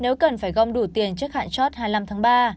nếu cần phải gom đủ tiền trước hạn chót hai mươi năm tháng ba